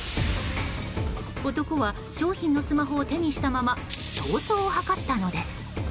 男は商品のスマホを手にしたまま逃走を図ったのです。